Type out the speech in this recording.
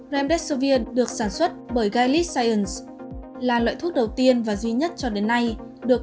remdesivir được sản xuất bởi gilead science là loại thuốc đầu tiên và duy nhất cho đến nay được